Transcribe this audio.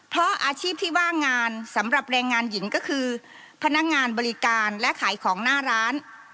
เพราะอาชีพที่ว่างงานสำหรับแรงงานหญิงก็คือพนักงานบริการและขายของหน้าร้าน